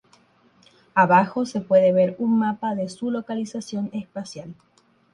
Abajo se puede ver un mapa de su localización espacial.